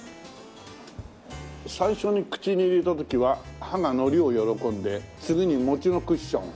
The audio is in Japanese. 最初に口に入れた時は歯が海苔を喜んで次に餅のクッション。